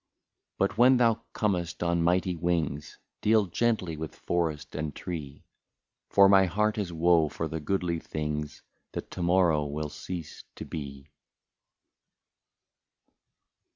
But when thou comest on mighty wings, Deal gently with forest and tree. For my heart is woe for the goodly things, That to morrow will cease to be.